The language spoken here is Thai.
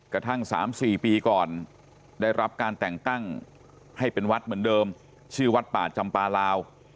กระทั่ง๓๔ปีก่อนได้รับการแต่งตั้งให้เป็นวัดเหมือนเดิมชื่อวัดป่าจำปลาลาว